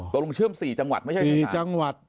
เชื่อม๔จังหวัดไม่ใช่๔จังหวัด